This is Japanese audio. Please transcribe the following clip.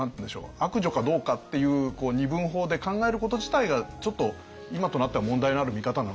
悪女かどうかっていう二分法で考えること自体がちょっと今となっては問題のある見方なのかなと思いますよね。